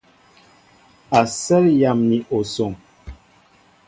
Asέl yam ni osoŋ.